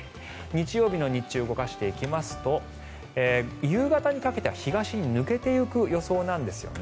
日曜日の日中動かしていきますと夕方にかけては東に抜けていく予想なんですよね。